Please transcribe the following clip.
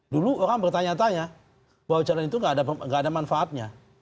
dulu orang bertanya tanya bahwa jalan itu tidak ada manfaatnya